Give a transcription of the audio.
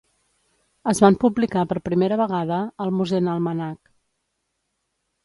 Es van publicar per primera vegada al 'Musenalmanach'.